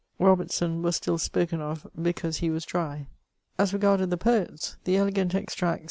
Robertson was still spoken of, because he was dry. As reg^ded the poets, the '^ Elegant Extracts"